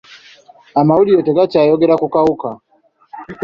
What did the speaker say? Amawulire tegakyayogera ku kawuka.